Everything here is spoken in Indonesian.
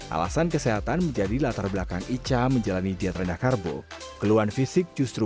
alasan kesehatan menjadi latar belakang ica menjalani diet rendah karbo keluhan fisik justru